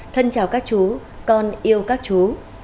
thân chào các chú con yêu các chú